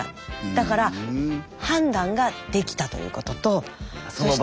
だから判断ができたということと。